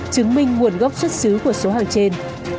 chứng minh nguồn gốc xuất xứ của số hàng trên